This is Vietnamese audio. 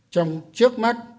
trong trước mắt